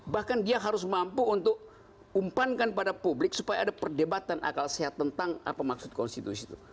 bahkan dia harus mampu untuk umpankan pada publik supaya ada perdebatan akal sehat tentang apa maksud konstitusi itu